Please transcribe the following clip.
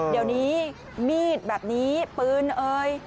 เดี๋ยวนี้มีดแบบนี้ปืนเอ่ย